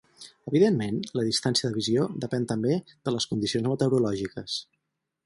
Evidentment, la distància de visió depèn també de les condicions meteorològiques.